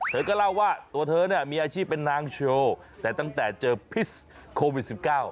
เธอก็เล่าว่าตัวเธอเนี่ยมีอาชีพเป็นนางโชว์แต่ตั้งแต่เจอพิษโควิด๑๙